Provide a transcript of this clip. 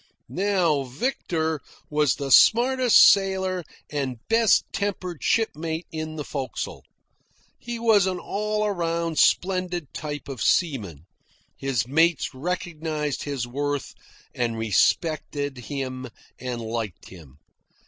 Now Victor was the smartest sailor and best tempered shipmate in the forecastle. He was an all round splendid type of seaman; his mates recognised his worth, and respected him and liked him.